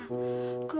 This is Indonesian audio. lah lah lah